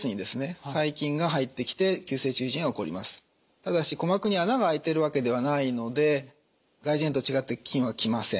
ただし鼓膜に穴が開いてるわけではないので外耳炎と違って菌は来ません。